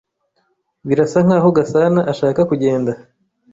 Birasa nkaho Gasana ashaka kugenda.